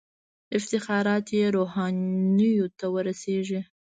افتخارات یې روحانیونو ته ورسیږي.